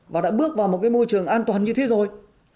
và đã bước vào một cái môi trường an toàn như thế rồi